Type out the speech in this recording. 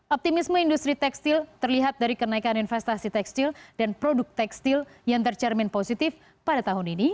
optimisme industri tekstil terlihat dari kenaikan investasi tekstil dan produk tekstil yang tercermin positif pada tahun ini